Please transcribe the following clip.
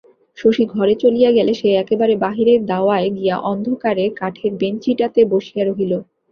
শশী ঘরে চলিয়া গেলে সে একেবারে বাহিরের দাওয়ায় গিয়া অন্ধকারে কাঠের বেঞ্চিটাতে বসিয়া রহিল।